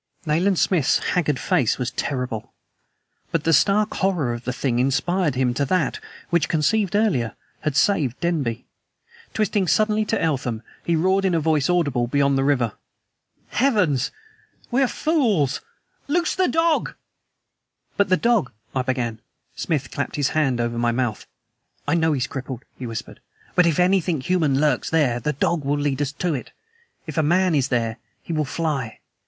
Nayland Smith's haggard face was terrible. But the stark horror of the thing inspired him to that, which conceived earlier, had saved Denby. Twisting suddenly to Eltham, he roared in a voice audible beyond the river: "Heavens! we are fools! LOOSE THE DOG!" "But the dog " I began. Smith clapped his hand over my mouth. "I know he's crippled," he whispered. "But if anything human lurks there, the dog will lead us to it. If a MAN is there, he will fly!